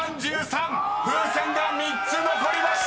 ［風船が３つ残りました！］